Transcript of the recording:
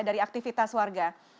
dari aktivitas warga